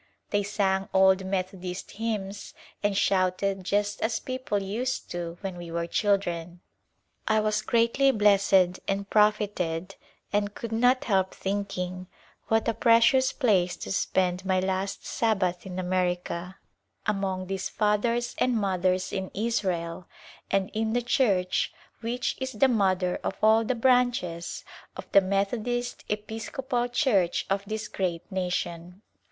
They sang old Methodist hymns and shouted just as people used to when we were children. I was greatly blessed and profited and could not help thinking what a precious place to spend my last Sabbath in America — among these fathers and mothers in Israel, and in the church which is the mother of all the branches of the Methodist Episcopal Church of this great nation.